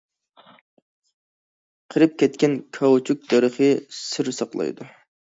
قېرىپ كەتكەن كاۋچۇك دەرىخى سىر ساقلايدۇ.